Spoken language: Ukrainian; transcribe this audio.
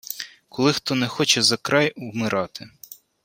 Коли хто не хоче за край умирати